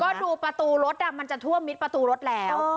ก็ดูประตูรถมันจะท่วมมิดประตูรถแล้ว